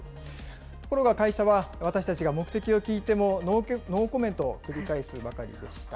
ところが会社は、私たちが目的を聞いても、ノーコメントを繰り返すばかりでした。